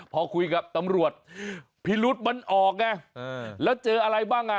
พอคุยกับตำรวจพิรุษมันออกไงแล้วเจออะไรบ้างอ่ะ